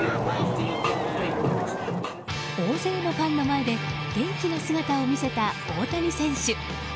大勢のファンの前で元気な姿を見せた大谷選手。